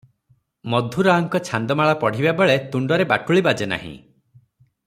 ମଧୁରାଓଙ୍କ ଛାନ୍ଦମାଳା ପଢ଼ିବା ବେଳେ ତୁଣ୍ଡରେ ବାଟୁଳି ବାଜେ ନାହିଁ ।